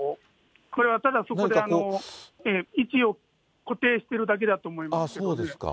これはただそこで位置を固定してるだけだと思いますね。